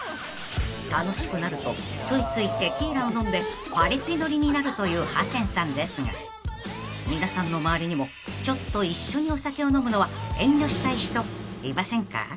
［楽しくなるとついついテキーラを飲んでパリピノリになるというハセンさんですが皆さんの周りにもちょっと一緒にお酒を飲むのは遠慮したい人いませんか？］